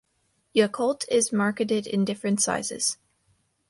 Yakult is marketed in different sizes.